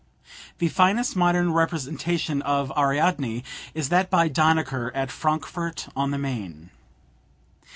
The finest modern representation of Ariadne is that by Danneker, at Frankfort on the Maine.